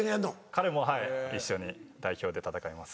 彼もはい一緒に代表で戦います。